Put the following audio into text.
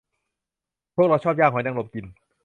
พวกเราชอบย่างหอยนางรมกิน